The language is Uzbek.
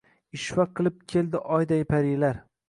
Ishva qilib keldi oyday parilar